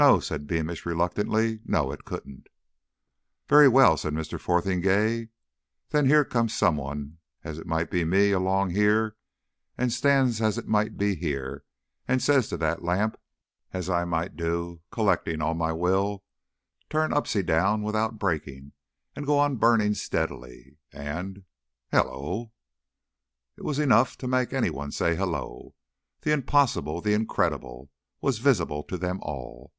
"No," said Beamish reluctantly. "No, it couldn't." "Very well," said Mr. Fotheringay. "Then here comes someone, as it might be me, along here, and stands as it might be here, and says to that lamp, as I might do, collecting all my will Turn upsy down without breaking, and go on burning steady, and Hullo!" It was enough to make anyone say "Hullo!" The impossible, the incredible, was visible to them all.